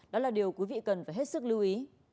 đó là điều quý vị cần phải hết sức lưu ý